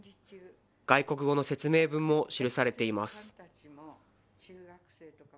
外国語の説明文も記されています。